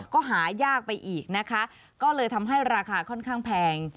ก็หายากไปอีกนะคะก็เลยทำให้ราคาค่อนข้างแพง